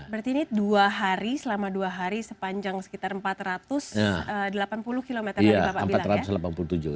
berarti ini dua hari selama dua hari sepanjang sekitar empat ratus delapan puluh km tadi bapak bilang ya